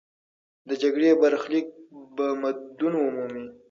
د جګړې برخلیک به بدلون مومي.